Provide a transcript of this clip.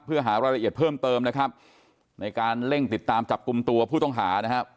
เพื่อหารายละเอียดเพิ่มเติมนะครับในการเร่งติดตามจับกลุ่มตัวผู้ต้องหานะครับ